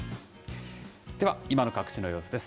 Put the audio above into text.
では今の各地の様子です。